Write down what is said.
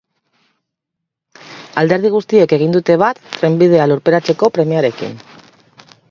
Alderdi guztiek egin dute bat trenbidea lurperatzeko premiarekin.